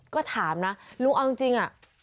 ก็ถามนะลุงเอาจริง